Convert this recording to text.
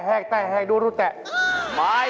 แฮกแตะแอบดูรูแตะ